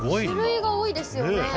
種類が多いですよね。